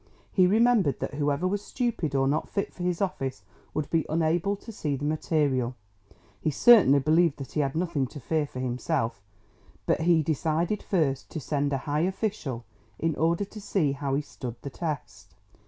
He remembered that whoever was stupid or not fit for his office would be unable to see the material. He certainly believed that he had nothing to fear for himself, but he decided first to send a high official in order to see how he stood the test.